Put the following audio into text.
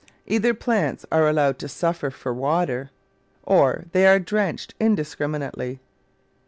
Either plants are allowed to suffer for water, or they are drenched indiscriminately.